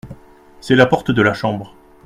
C’est la porte de la chambre.